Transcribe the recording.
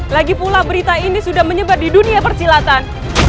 lagipula berita ini sudah menyebar di dunia persilatan